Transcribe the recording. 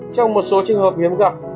trong một số trường hợp hiếm gặp